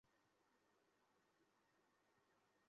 জলদি আদালতে যেতে হবে?